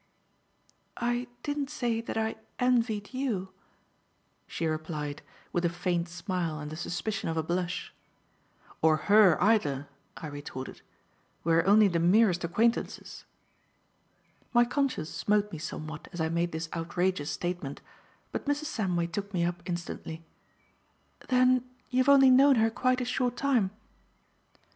"I didn't say that I envied you," she replied, with a faint smile and the suspicion of a blush. "Or her either," I retorted. "We are only the merest acquaintances." My conscience smote me somewhat as I made this outrageous statement, but Mrs. Samway took me up instantly. "Then you've only known her quite a short time?"